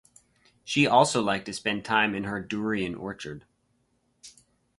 She also liked to spend time in her durian orchard.